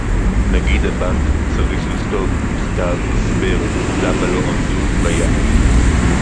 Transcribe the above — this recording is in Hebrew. נגיד הבנק צריך לכתוב מכתב הסבר למה לא עמדו ביעד